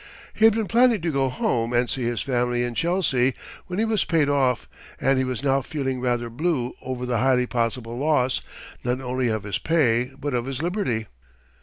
He had been planning to go home and see his family in Chelsea when he was paid off, and he was now feeling rather blue over the highly possible loss, not only of his pay, but of his liberty.